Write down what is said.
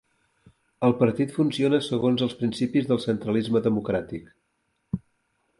El partit funciona segons els principis del centralisme democràtic.